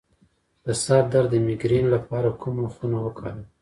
د سر درد د میګرین لپاره کومه خونه وکاروم؟